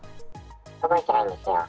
届いてないんですよ。